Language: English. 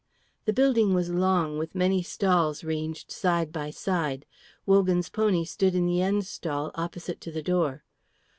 The building was long, with many stalls ranged side by side. Wogan's pony stood in the end stall opposite to the door.